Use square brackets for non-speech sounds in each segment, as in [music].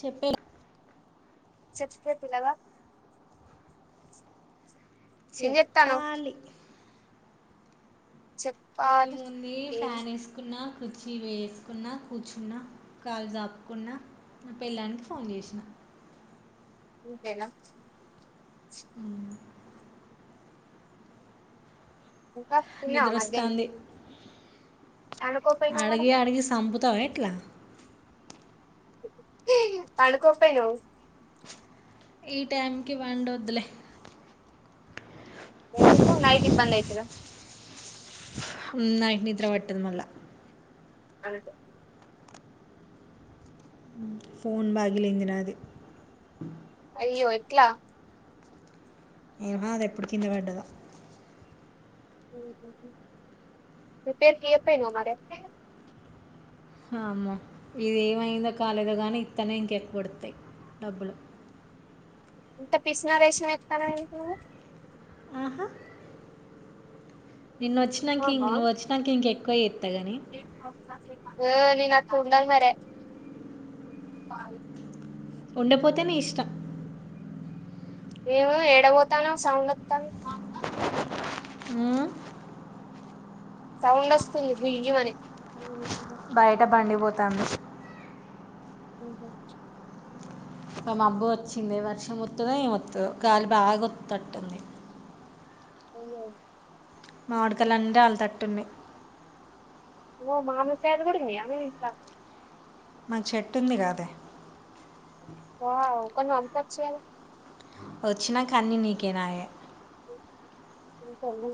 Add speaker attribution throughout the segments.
Speaker 1: చెప్పే. [unintelligible]
Speaker 2: చెప్పే పిలగా.
Speaker 1: చెప్పాలి.
Speaker 2: చెప్పాలి
Speaker 1: ఏముందీ
Speaker 2: ఏం
Speaker 1: ఫ్యానేస్కున్న కుచ్చీ వేస్కున్న కూచ్చున్న కాల్జాప్కున్న. న పెళ్ళాన్కి ఫోన్జేష్న.
Speaker 2: ఇంతేన.
Speaker 1: ఊమ్.
Speaker 2: ఇంకా తిన్నావ మధ్యానం.
Speaker 1: అడ్గి అడ్గి సంపుతవెట్ల.
Speaker 2: పండుకోప్పొయ్నువ్వు.
Speaker 1: ఈ టైమ్కి వండొద్దులె.
Speaker 2: ఎందుకూ నైటిబ్బందైతద.
Speaker 1: హ్మ్ నైట్ నిద్రపట్టద్ మల్ల.
Speaker 2: అంతె.
Speaker 1: ఫోన్ బాగిలింది నాది.
Speaker 2: అయ్యొ ఎట్ల.
Speaker 1: ఏమో అదెప్పుడ్ కిందవడ్డదో.
Speaker 2: [unintelligible] రేపేర్కియ్యక్పోయ్నవ్ మరె.
Speaker 1: హా అమ్మొ ఇదేమైందొ కాలేదో గానీ ఇత్తనే ఇంకెక్వొడుత్తయ్. డబ్బులు.
Speaker 2: ఇంత పిస్నారేష్నమేత్తాన్నవేంట్ నువ్వు.
Speaker 1: హ. నిన్నొచ్చినంకింగ్ నువ్వొచ్చినంకెక్వజెత్
Speaker 2: టె క్కాఫ్ అ యో నేనట్లుండన్మరె.
Speaker 1: ఉండపొతే నీ ఇష్ట
Speaker 2: ఏమో ఏడబోతాన్నవ్ సౌండొత్తాంద్ బాగ సౌండొస్తుంది గుయ్యుమని ఉమ్.
Speaker 1: బైట బండిపోతాంది.
Speaker 2: ఊహు.
Speaker 1: ఒ మబ్బు వచ్చిందె వర్షమొత్తదో ఏమొత్తదొ గాలి బాగొత్తట్టుంది.
Speaker 2: అయ్యొ.
Speaker 1: మావ్డ్కాయలన్న్ రాల్తట్టున్నయ్.
Speaker 2: ఒ మామిడ్కాయల్ గూడున్నయా మీ ఇంట్ల
Speaker 1: మ చెట్టుంది గాదె.
Speaker 2: వావ్ కొన్న్ వంప్పచ్చ్ గనె
Speaker 1: ఒచ్నాకన్నీ నీకే నాయె
Speaker 2: తింటన్ని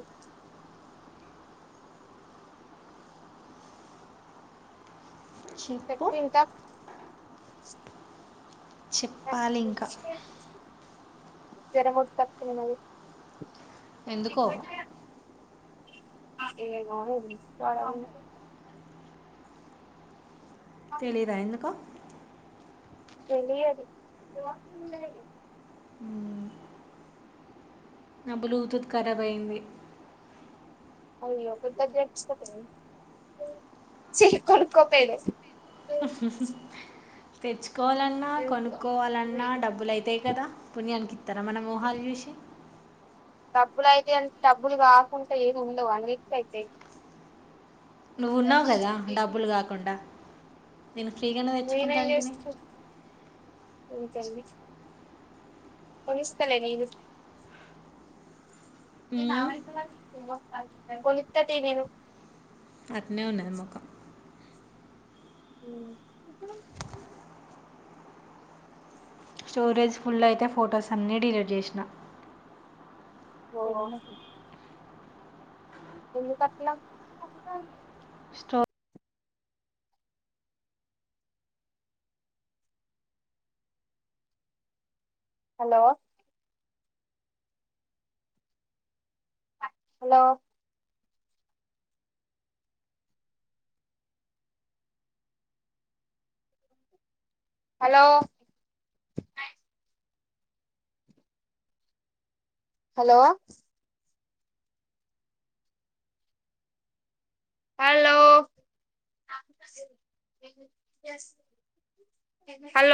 Speaker 1: చిప్పు.
Speaker 2: చెప్పు ఇంకా
Speaker 1: చ్చెప్పాలింక.
Speaker 2: జరమొచ్చేతట్టున్నది
Speaker 1: ఎందుకో
Speaker 2: ఏమో ఇంటికాడా
Speaker 1: తెలీదా ఎందుకో
Speaker 2: తెలియదు
Speaker 1: నాబ్లూతుత్ ఖరాబ్ అయింది
Speaker 2: అయ్యో కొత్తది చేపిచ్చోకోపోయినవ్ చీ కొనుక్కోపోయినవ్
Speaker 1: తెచ్ కోవాలన్నా కొనుక్కోవాలన్నా డబ్బులయితయి కదా పుణ్యానికిత్తరా మన మోహాలు చూసి
Speaker 2: డబ్బులు అయితయ డబ్బులు కాకుంటా ఏమి ఉండవు అన్నిటికయితయ్
Speaker 1: నువ్వు ఉన్నావు కదా డబ్బులు కాకుండా నిన్ ఫ్రీగానే తెచ్చుకుంటంటిని
Speaker 2: ఉంచండి కొనిస్తలే నేను కొనిత్త తీ నేను
Speaker 1: అట్నే ఉన్నది మొకం
Speaker 2: ఉమ్ ఇప్పుడు
Speaker 1: స్టోరేజ్ ఫుల్ అయితే ఫొటోస్ అన్నీ డిలీట్ చేషిన
Speaker 2: ఓ ఎందుకట్ల
Speaker 1: స్టో
Speaker 2: hello hello hello hello hello hello